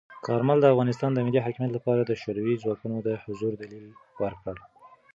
کارمل د افغانستان د ملی حاکمیت لپاره د شوروي ځواکونو د حضور دلیل ورکړ.